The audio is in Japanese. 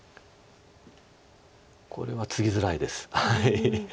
これはツギづらいです。